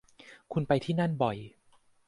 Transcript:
คุณไปที่นั่นบ่อย